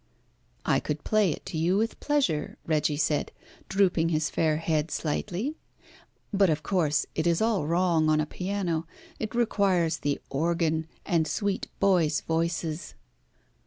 "I could play it to you with pleasure," Reggie said, drooping his fair head slightly, "but of course it is all wrong on a piano. It requires the organ and sweet boys' voices."